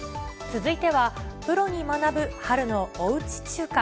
続いては、プロに学ぶ春のおうち中華。